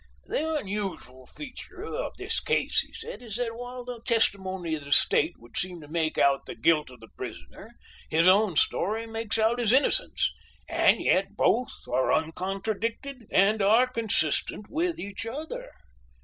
"The unusual feature of this case," he said, "is that while the testimony of the State would seem to make out the guilt of the prisoner, his own story makes out his innocence, and yet both are uncontradicted and are consistent with each other.